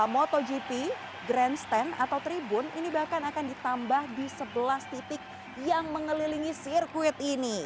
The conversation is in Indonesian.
motogp grandstand atau tribun ini bahkan akan ditambah di sebelas titik yang mengelilingi sirkuit ini